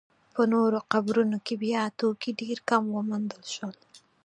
په نورو قبرونو کې بیا توکي ډېر کم وموندل شول.